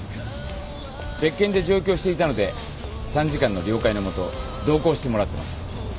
別件で上京していたので参事官の了解の下同行してもらってます。